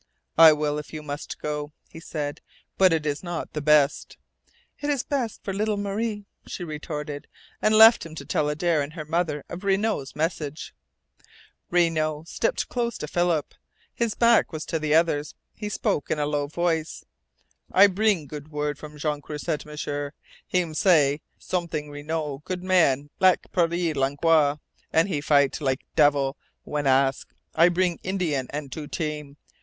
"I will, if you must go," he said. "But it is not best." "It is best for little Marie," she retorted, and left him to tell Adare and her mother of Renault's message. Renault stepped close to Philip. His back was to the others. He spoke in a low voice: "I breeng good word from Jean Croisset, M'sieur. Heem say Soomin Renault good man lak Pierre Langlois, an' he fight lak devil when ask. I breeng Indian an' two team.